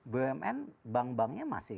bumn bank banknya masih yang masih